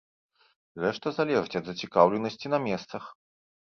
Рэшта залежыць ад зацікаўленасці на месцах.